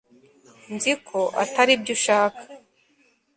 nzi ko atari byo ushaka